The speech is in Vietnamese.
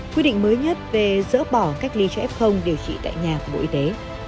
quy định mới nhất về dỡ bỏ cách ly cho f điều trị tại nhà của bộ y tế